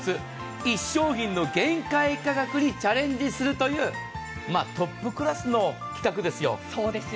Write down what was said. １商品の限界にチャレンジするというトップクラスの企画ですよ。